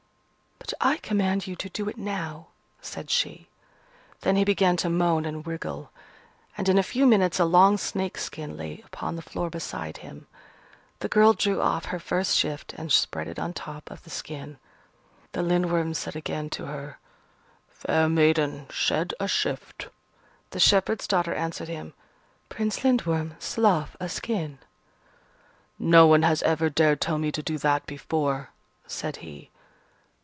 "But I command you to do it now!" said she. Then he began to moan and wriggle: and in a few minutes a long snake skin lay upon the floor beside him. The girl drew off her first shift, and spread it on top of the skin. The Lindworm said again to her, "Fair maiden, shed a shift." The shepherd's daughter answered him, "Prince Lindworm, slough a skin." "No one has ever dared tell me to do that before," said he.